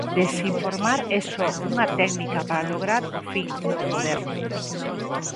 Desinformar é só unha técnica para lograr o fin: o poder.